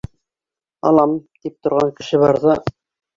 Алам, тип торған кеше барҙа...